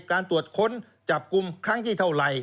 การตรวจค้นจับกลุ่มครั้งที่เท่าไหร่